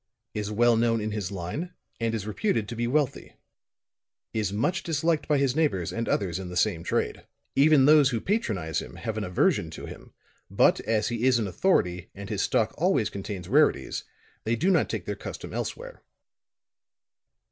"Is well known in his line and is reputed to be wealthy. Is much disliked by his neighbors and others in the same trade. Even those who patronize him have an aversion to him; but as he is an authority, and his stock always contains rarities, they do not take their custom elsewhere.